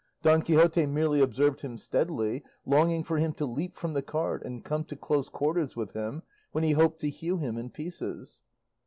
Don Quixote merely observed him steadily, longing for him to leap from the cart and come to close quarters with him, when he hoped to hew him in pieces.